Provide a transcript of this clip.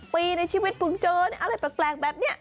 ปีในชีวิตเพิ่งเจออะไรแปลกแบบนี้